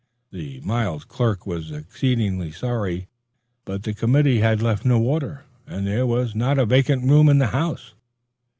The mild clerk was exceedingly sorry, but the committee had left no order, and there was not a vacant room in the house!